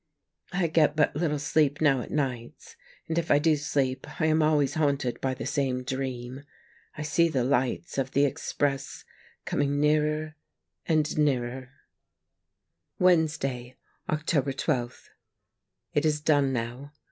I get but little sleep now at nights, and if I do sleep I am always haunted by the same dream. I see the lights of the express coming nearer and nearer. ... 80 THE MAGNET Wednesday, October 12. — It is done now.